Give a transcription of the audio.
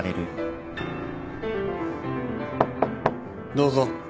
どうぞ。